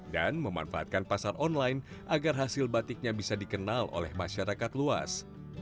dan memanfaatkan pasar online agar hasil batiknya bisa dikenal oleh masyarakat luas